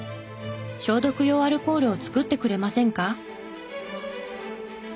「消毒用アルコールを作ってくれませんか？」